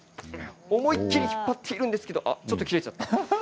思いっきり引っ張っているんですけどちょっと切れちゃった。